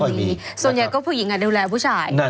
มีส่วนใหญ่ก็ผู้หญิงดูแลผู้ชาย